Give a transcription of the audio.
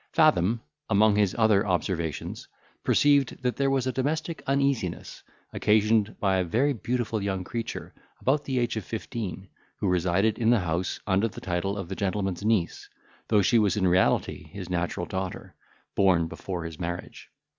Fathom, among his other observations, perceived that there was a domestic uneasiness, occasioned by a very beautiful young creature about the age of fifteen, who resided in the house under the title of the gentleman's niece, though she was in reality his natural daughter, born before his marriage.